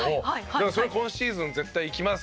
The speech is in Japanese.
だからそれ今シーズン絶対行きます。